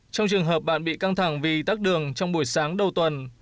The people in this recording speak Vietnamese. trong trường hợp bạn bị căng thẳng vì tắt đường trong buổi sáng đầu tuần